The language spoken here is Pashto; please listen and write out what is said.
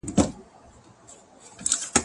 زه به سبا ته فکر کوم